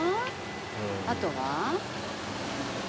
あとは？